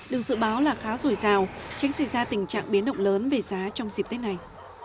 được dự báo là khá dồi dào tránh xảy ra tình trạng biến động lớn về giá trong dịp tết này